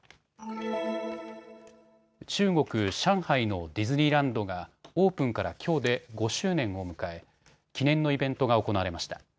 中国・上海のディズニーランドがオープンからきょうで５周年を迎え記念のイベントが行われました。